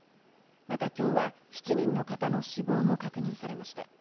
また、今日は７人の方の死亡も確認されました。